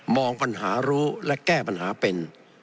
มองปัญหารู้และแก้ปัญหาเป็น